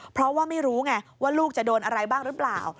เพราะว่าไม่รู้ไงว่าลูกจะโดนอะไรบ้างหรือเปล่า